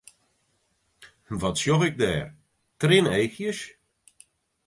Wat sjoch ik dêr, trieneachjes?